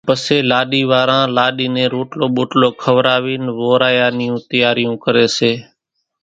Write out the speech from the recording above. پسيَ لاڏِي واران لاڏِي نين روٽلو ٻوٽلو کوراوينَ وورايا نِيوُن تيارِيون ڪريَ سي۔